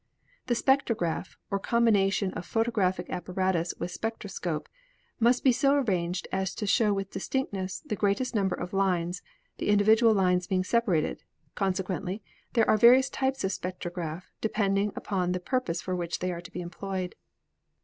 The spectograph, or combination of photographic ap paratus with spectroscope, must be so arranged as to show with distinctness the greatest number of lines, the individual lines being separated; consequently there are various types of spectrograph, depending upon the pur pose for which they are to be employed.